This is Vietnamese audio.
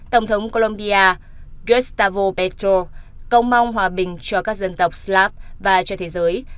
tổng thống colombia gustavo petro công mong hòa bình cho các dân tộc slav và cho thế giới